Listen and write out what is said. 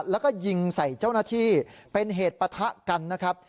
แล้วก็ยิงใส่เจ้าหน้าที่เป็นเหตุปะทะกันนะครับ